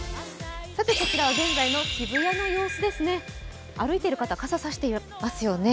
こちらは現在の渋谷の様子ですね歩いている方、傘さしてますよね。